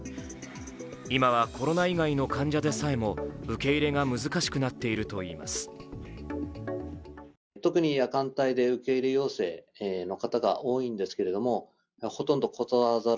今はコロナ以外の患者でさえも受け入れが難しくなっているといいます。